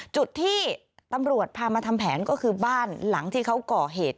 จุดที่ตำรวจพามาทำแผนก็คือบ้านหลังที่เขาก่อเหตุ